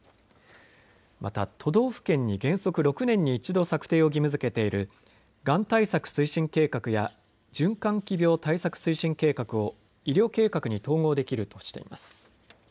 また都道府県に原則６年に１度策定を義務づけているがん対策推進計画や循環器病対策推進計画を医療計画に統合できるとしています。